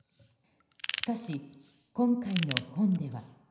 しかし、今回の本では。